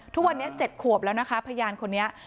ทุกวันนี้๗ขวบแล้วนะคะพยานคนนี้